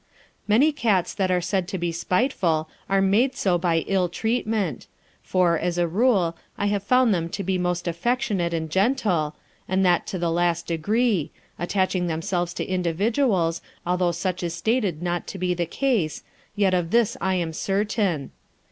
Many cats that are said to be spiteful are made so by ill treatment, for, as a rule, I have found them to be most affectionate and gentle, and that to the last degree, attaching themselves to individuals, although such is stated not to be the case, yet of this I am certain.